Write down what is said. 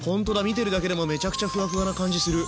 見てるだけでもめちゃくちゃふわふわな感じする。